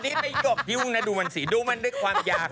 ที่เขาด่าเดี๋ยวเขารัก